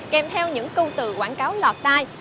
kèm theo những câu từ quảng cáo lọt tai